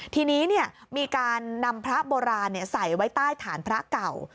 ทีนี้มีการนำพระโบราณใส่ไว้ใต้ฐานพระเก่า